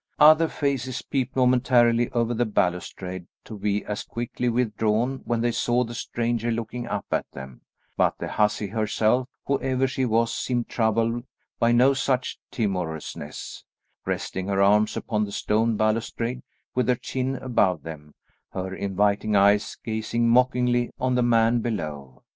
Other faces peeped momentarily over the balustrade to be as quickly withdrawn when they saw the stranger looking up at them; but the hussy herself, whoever she was, seemed troubled by no such timorousness, resting her arms upon the stone balustrade, with her chin above them, her inviting eyes gazing mockingly on the man below.